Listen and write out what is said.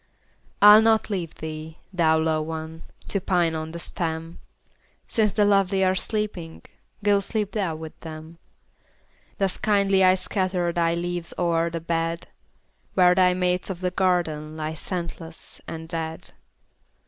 I'll not leave thee, thou lone one ! To pine on the stem ; Since the lovely are sleeping, Go sleep thou with them. Thus kindly I scatter Thy leaves o'er the bed, Where thy mates of the garden Lie scentless and dead.